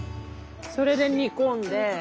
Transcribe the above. それで煮込んで。